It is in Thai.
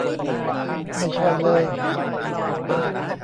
ไม่ใช่เลย